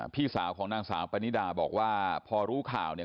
พี่สาวของนางสาวปนิดาบอกว่าพอรู้ข่าวเนี่ย